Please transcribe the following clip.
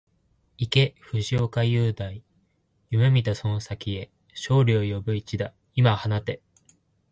行け藤岡裕大、夢見たその先へ、勝利を呼ぶ一打、今放て